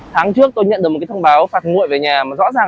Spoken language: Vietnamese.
tháng trước tôi nhận được một thông báo phạt nguội về nhà